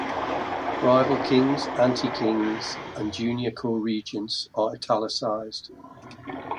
Rival kings, anti-kings, and junior co-regents are "italicized".